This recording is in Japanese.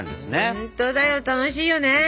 ほんとだよ楽しいよね。